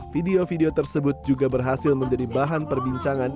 video video tersebut juga berhasil menjadi bahan perbincangan